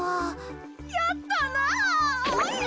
やったな！